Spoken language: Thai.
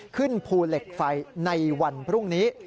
ขึ้นภูเหล็กไฟในวันพรุ่งนี้